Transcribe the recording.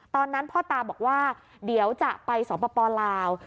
ตอนนั้นพ่อตาบอกว่าเดี๋ยวจะไปสปลาว